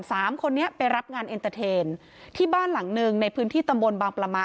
สามคนนี้ไปรับงานเอ็นเตอร์เทนที่บ้านหลังหนึ่งในพื้นที่ตำบลบางประมะ